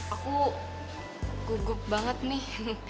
aku gugup banget nih